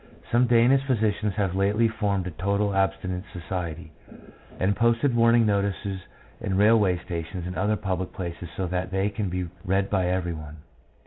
Some Danish physicians have lately formed a total abstinence society, and have posted warning notices in railway stations and other public places so that they can be read by every one.